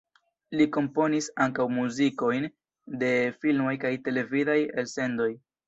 Li komponis ankaŭ muzikojn de filmoj kaj televidaj elsendoj.